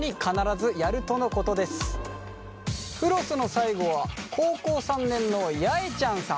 フロスの最後は高校３年のやえちゃんさん。